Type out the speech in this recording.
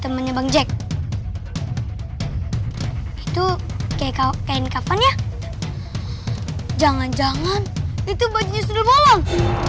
kainnya bang jek itu kekau kain kapan ya jangan jangan itu bajunya sudah bolong